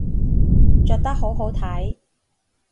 着得好好睇